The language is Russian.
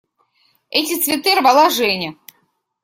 Эти цветы рвала Женя.